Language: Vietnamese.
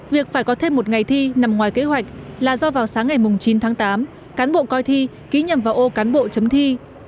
việc phải có thêm một ngày thi nằm ngoài kế hoạch là do vào sáng ngày chín tháng tám cán bộ coi thi ký nhầm vào ô cán bộ chấm thi